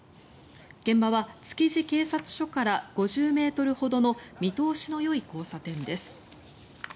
現場は築地警察署から５０ｍほどの見落としのよい交差点です。